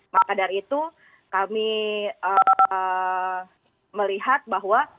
maka dari itu kami melihat bahwa